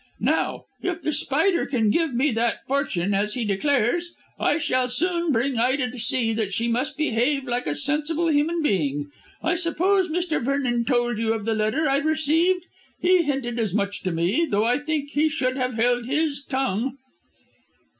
Now, if The Spider can give me that fortune, as he declares, I shall soon bring Ida to see that she must behave like a sensible human being. I suppose Mr. Vernon told you of the letter I received? He hinted as much to me, though I think he should have held his tongue."